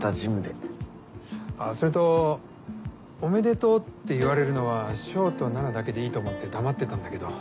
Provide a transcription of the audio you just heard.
それと「おめでとう」って言われるのはショウと菜奈だけでいいと思って黙ってたんだけど。